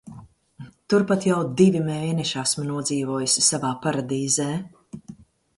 Turpat jau divi mēneši esmu nodzīvojusi savā paradīzē.